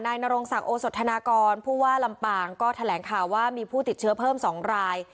นรงศักดิ์โอสธนากรผู้ว่าลำปางก็แถลงข่าวว่ามีผู้ติดเชื้อเพิ่ม๒ราย